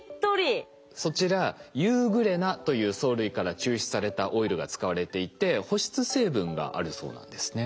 そちらユーグレナという藻類から抽出されたオイルが使われていて保湿成分があるそうなんですね。